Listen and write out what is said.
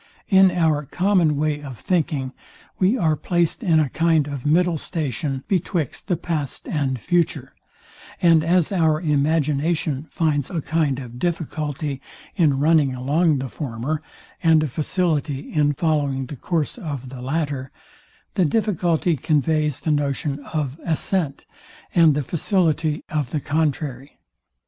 In our common way of thinking we are placed in a kind of middle station betwixt the past and future; and as our imagination finds a kind of difficulty in running along the former, and a facility in following the course of the latter, the difficulty conveys the notion of ascent, and the facility of the contrary.